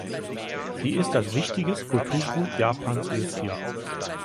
Sie ist als Wichtiges Kulturgut Japans registriert.